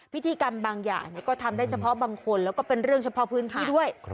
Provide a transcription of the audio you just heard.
พิธีกรรมบางอย่างก็ทำได้เฉพาะบางคนแล้วก็เป็นเรื่องเฉพาะพื้นที่ด้วย